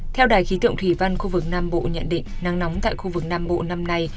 theo đài khí tượng thủy văn khu vực nam bộ nhận định nắng nóng tại khu vực nam bộ năm nay